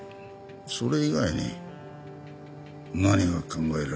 それ以外に何が考えられる？